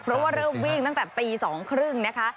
เพราะว่าเริ่มวิ่งตั้งแต่ตี๒๓๐นะคะ